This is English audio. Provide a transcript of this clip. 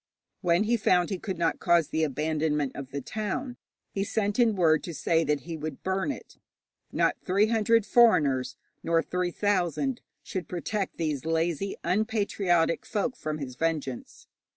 When he found he could not cause the abandonment of the town, he sent in word to say that he would burn it. Not three hundred foreigners, nor three thousand, should protect these lazy, unpatriotic folk from his vengeance.